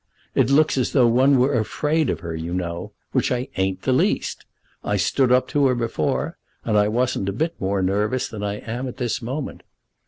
"It looks as though one were afraid of her, you know; which I ain't the least. I stood up to her before, and I wasn't a bit more nervous than I am at this moment.